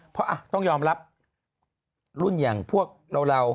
เพราะต้องยอมรับรุ่นอย่างพวกเรา